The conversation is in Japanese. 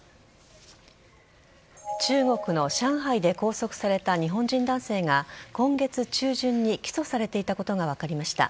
中国の上海で拘束された日本人男性が今月中旬に起訴されていたことが分かりました。